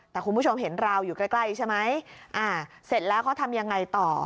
แต่คุณผู้ชมเห็นราวอยู่ใกล้ใกล้ใช่ไหมอ่าเสร็จแล้วเขาทำยังไงต่อ